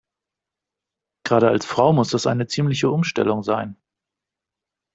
Gerade als Frau muss das eine ziemliche Umstellung sein.